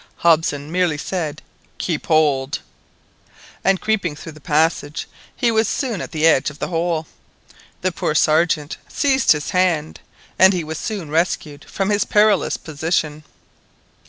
Hobson merely said— "Keep hold!" And creeping through the passage, he was soon at the edge of the hole. The poor Sergeant seized his hand, and he was soon rescued from his perilous position.